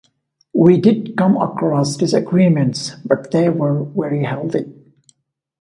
We did come across disagreements, but they were very healthy.